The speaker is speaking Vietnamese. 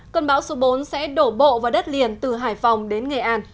cơn bão số bốn sẽ đổ bộ vào đất liền từ hải phòng đến nghệ an